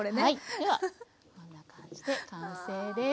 ではこんな感じで完成です。